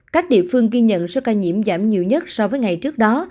các địa phương ghi nhận số ca nhiễm giảm nhiều nhất so với ngày trước đó